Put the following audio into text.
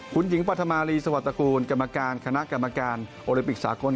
คุณหญิงปัธมารีสวัสตระกูลกรรมการคณะกรรมการโอลิมปิกสากล